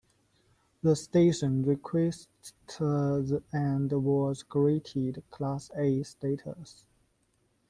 The station requested and was granted Class A status.